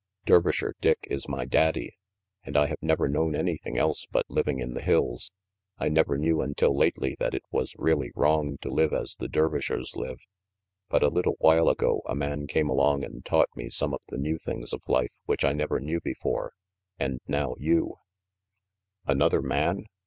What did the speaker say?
"Dervisher Dick is my daddy, and I have never known anything else but living in the hills. I never knew until lately that it was really wrong to live as the Dervishers live; but a little while ago a man came along and taught me some of the new things of life which I never knew before, and now you "Another man?"